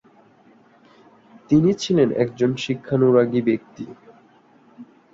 তিনি ছিলেন একজন শিক্ষানুরাগী ব্যক্তি।